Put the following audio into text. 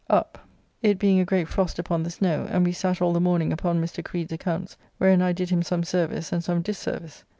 Up, it being a great frost upon the snow, and we sat all the morning upon Mr. Creed's accounts, wherein I did him some service and some disservice.